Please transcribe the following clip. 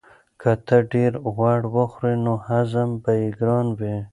که ته ډېر غوړ وخورې نو هضم به یې ګران وي.